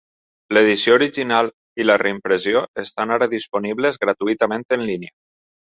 L'edició original i la reimpressió estan ara disponibles gratuïtament en línia.